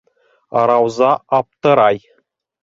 Рауза аптырай: